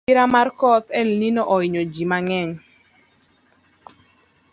Masira mar koth elnino ohinyo ji mang’eny